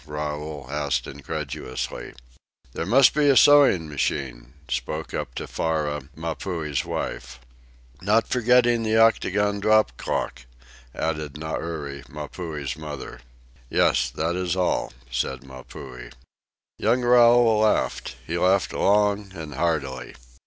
Raoul asked incredulously. "There must be a sewing machine," spoke up Tefara, Mapuhi's wife. "Not forgetting the octagon drop clock," added Nauri, Mapuhi's mother. "Yes, that is all," said Mapuhi. Young Raoul laughed. He laughed long and heartily.